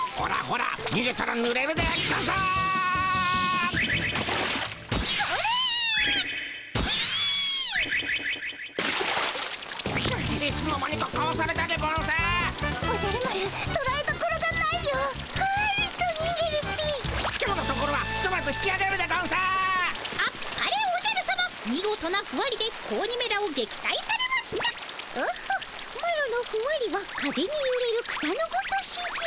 オホッマロのふわりは風にゆれる草のごとしじゃ。